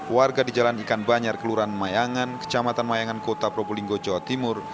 warga di jalan ikan banyar kelurahan mayangan kecamatan mayangan kota probolinggo jawa timur